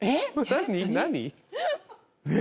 何？